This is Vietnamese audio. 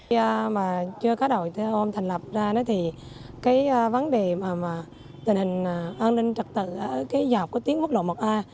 khi mà chưa có đội xe ôm thành lập ra thì cái vấn đề mà tình hình an ninh trật tự ở cái dọc của tiếng quốc lộ một a